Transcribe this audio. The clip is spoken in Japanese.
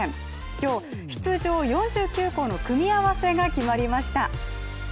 今日、出場４９校の組み合わせが決まりました。